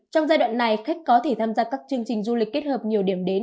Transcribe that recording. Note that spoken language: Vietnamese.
trong giai đoạn này khách có thể tham gia các chương trình du lịch kết hợp nhiều điểm đến